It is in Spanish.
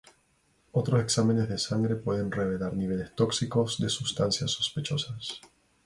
Otros exámenes de sangre pueden revelar niveles tóxicos de substancias sospechosas.